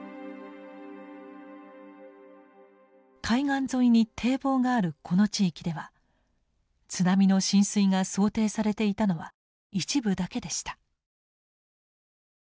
海岸沿いに堤防があるこの地域では津波の浸水が想定されていたのは一部だけでした。